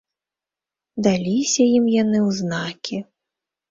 Даліся ім яны ў знакі.